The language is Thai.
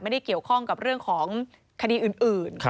ไม่ได้เกี่ยวข้องกับเรื่องของคดีอื่น